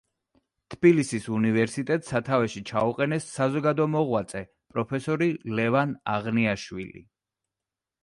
თბილისის უნივერსიტეტს სათავეში ჩაუყენეს საზოგადო მოღვაწე, პროფესორი ლევან აღნიაშვილი.